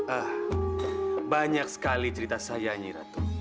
ah banyak sekali cerita saya nyi ratu